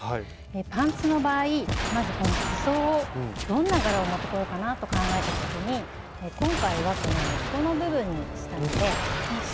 パンツの場合まずこのすそをどんな柄を持ってこようかなと考えたときに今回はこの根っこの部分にしたのです